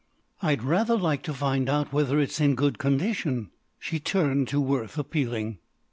"I'd rather like to find out whether it's in good condition." She turned to Worth appealing.